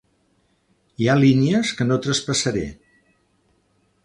Hi ha línies que no traspassaré.